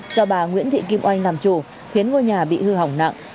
do bà nguyễn thị kim oanh làm chủ khiến ngôi nhà bị hư hỏng nặng